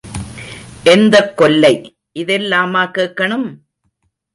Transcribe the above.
எந்தக் கொல்லை இதெல்லாமா கேக்கணும்?